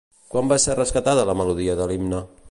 Quan va ser rescatada la melodia de l'himne?